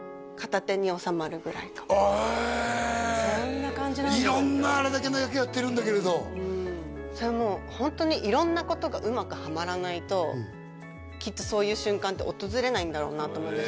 でもへえ色んなあれだけの役やってるんだけれどうんそれもうホントに色んなことがうまくはまらないときっとそういう瞬間って訪れないんだろうなと思うんです